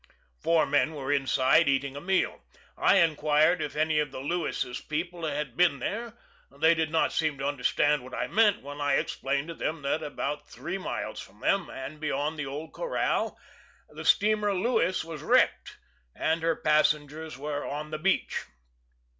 Four men were inside eating a meal. I inquired if any of the Lewis's people had been there; they did not seem to understand what I meant when I explained to them that about three miles from them, and beyond the old corral, the steamer Lewis was wrecked, and her passengers were on the beach.